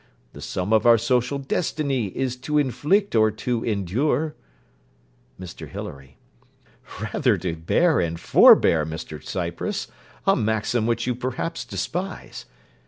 The sum of our social destiny is to inflict or to endure. MR HILARY Rather to bear and forbear, Mr Cypress a maxim which you perhaps despise.